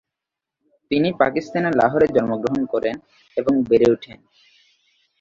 তিনি পাকিস্তানের লাহোরে জন্মগ্রহণ করেন এবং বেড়ে ওঠেন।